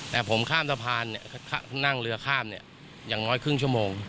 แต่ผมข้ามสะพานนั่งเรือข้ามเนี่ยอย่างน้อยครึ่งชั่วโมง